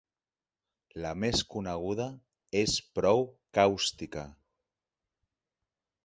La més coneguda és prou càustica.